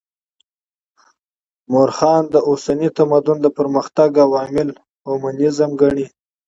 مؤرخان د اوسني تمدن د پرمختګ عوامل هیومنيزم ګڼي.